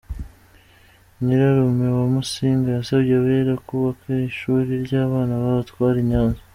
Nyirarume wa Musinga yasabye Abera kubaka ishuri ry’abana b’abatware i Nyanza.